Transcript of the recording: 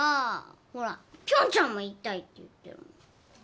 ほらピョンちゃんも行きたいって言ってる。